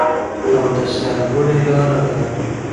او د سرلوړۍ لاره ده.